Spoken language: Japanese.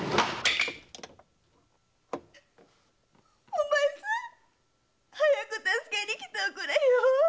お前さん早く助けに来ておくれよ！